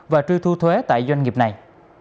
và truy thu thuế tại doanh nghiệp này